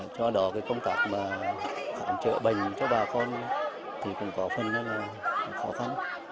cho đó công tác khám trợ bệnh cho bà con cũng có phần khó khăn